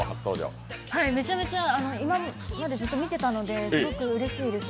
めちゃめちゃ、今までずっと見ていたのですごくうれしいです。